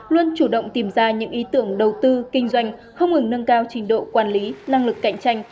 luôn chủ động tìm ra những ý tưởng đầu tư kinh doanh không ngừng nâng cao trình độ quản lý năng lực cạnh tranh